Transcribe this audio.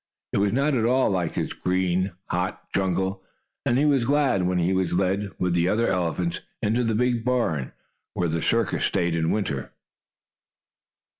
It was not at all like his green, hot jungle, and he was glad when he was led, with the other elephants, into the big barn, where the circus stayed in winter.